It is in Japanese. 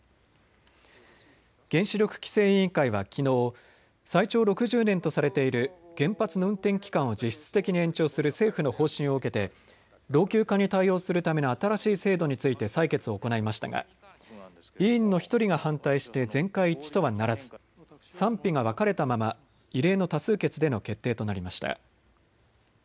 原子力規制委員会はきのう最長６０年とされている原発の運転期間を実質的に延長する政府の方針を受けて老朽化に対応するための新しい制度について採決を行いましたが委員の１人が反対して全会一致とはならず賛否が分かれたまま異例の多数決での決定となりました。